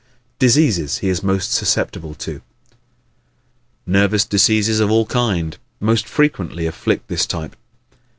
Diseases He is Most Susceptible To ¶ Nervous diseases of all kinds most frequently afflict this type.